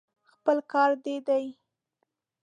خپل کار دې دی.